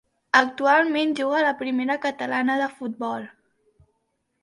Actualment juga a la Primera Catalana de Futbol.